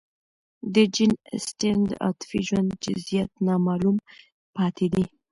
د جین اسټن د عاطفي ژوند جزئیات نامعلوم پاتې دي.